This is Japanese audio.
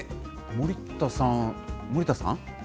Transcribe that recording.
森田さん、森田さん？